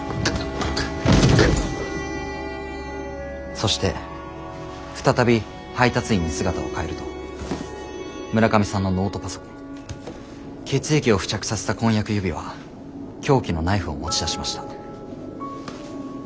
そして再び配達員に姿を変えると村上さんのノートパソコン血液を付着させた婚約指輪凶器のナイフを持ち出しました。